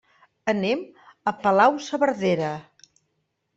Anem a Palau-saverdera.